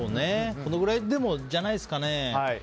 このぐらいじゃないですかね。